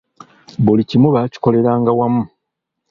Buli kimu baakikoleranga wamu.